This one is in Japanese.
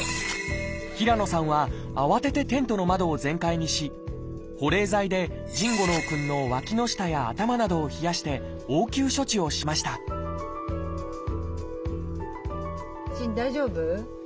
平野さんは慌ててテントの窓を全開にし保冷剤で臣伍朗くんのわきの下や頭などを冷やして応急処置をしましたじん大丈夫？